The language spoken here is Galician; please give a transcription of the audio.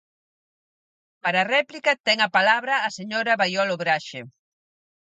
Para réplica, ten a palabra a señora Baiolo Braxe.